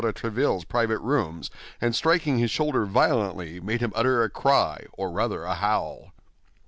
de Tréville's private rooms, and striking his shoulder violently, made him utter a cry, or rather a howl.